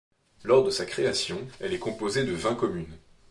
Lors de sa création, elle est composée de vingt communes.